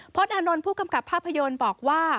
อานนท์ผู้กำกับภาพยนตร์บอกว่า